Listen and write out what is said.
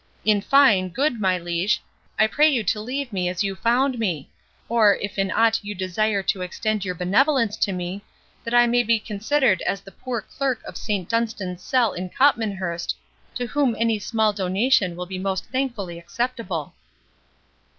—In fine, good my Liege, I pray you to leave me as you found me; or, if in aught you desire to extend your benevolence to me, that I may be considered as the poor Clerk of Saint Dunstan's cell in Copmanhurst, to whom any small donation will be most thankfully acceptable."